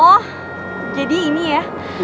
oh jadi ini ya